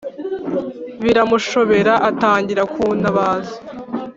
biramushobera atangira kuntabaza